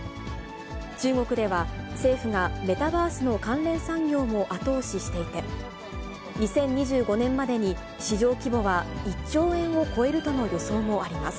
中国では、政府がメタバースの関連産業も後押ししていて、２０２５年までに市場規模は１兆円を超えるとの予想もあります。